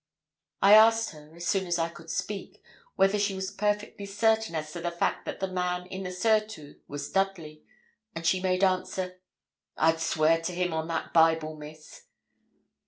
I asked her, as soon as I could speak, whether she was perfectly certain as to the fact that the man in the surtout was Dudley, and she made answer 'I'd swear to him on that Bible, Miss.'